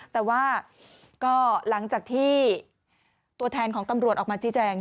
แต่ว่าก็หลังจากที่ตัวแทนของตำรวจออกมาชี้แจง